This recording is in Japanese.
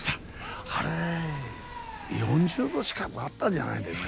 あれ、４０度近くあったんじゃないですか？